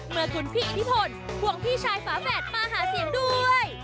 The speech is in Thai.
เมื่อคุณพี่อิทธิพลควงพี่ชายฝาแฝดมาหาเสียงด้วย